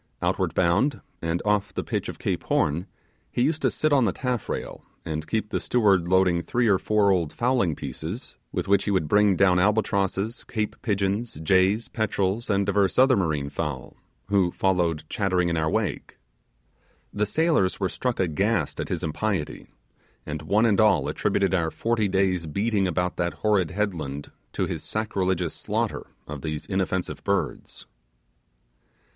Outward bound, and off the pitch of Cape Horn, he used to sit on the taffrail, and keep the steward loading three or four old fowling pieces, with which he would bring down albatrosses, Cape pigeons, jays, petrels, and divers other marine fowl, who followed chattering in our wake. The sailors were struck aghast at his impiety, and one and all attributed our forty days' beating about that horrid headland to his sacrilegious slaughter of these inoffensive birds.